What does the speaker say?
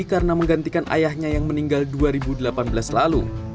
karena menggantikan ayahnya yang meninggal dua ribu delapan belas lalu